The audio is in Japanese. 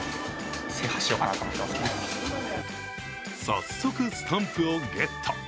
早速、スタンプをゲット。